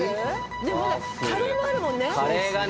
でもまだカレーもあるもんね。